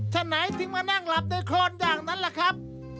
ฉะไหนถึงมานั่งหลับในโครนอย่างนั้นล่ะครับ